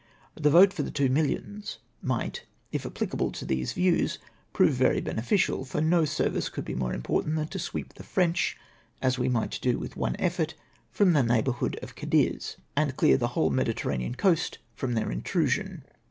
The vote for the two millions might, if applicable to these views, prove very beneficial ; for no service could be more important than to sweep the French, as we might do with one effort, from the neighbourhood of Cadiz, and clear the whole Mediterranean coast from their intrusion.